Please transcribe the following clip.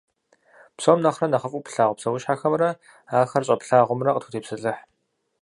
Псом нэхърэ нэхъыфӏу плъагъу псэущхьэхэмрэ ахэр щӏэплъагъумрэ къытхутепсэлъыхь.